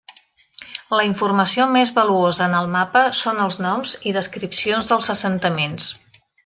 La informació més valuosa en el mapa són els noms i descripcions dels assentaments.